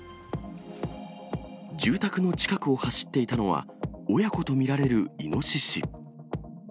住宅の近くを走っていたのは、親子と見られるイノシシ。